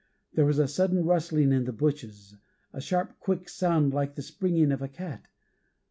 There was a sudden rustling in the bushes, a sharp, quick sound like the springing of a cat.